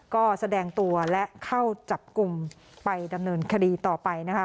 ก็แสดงตัวและเข้าจับกลุ่มไปดำเนินคดีต่อไปนะคะ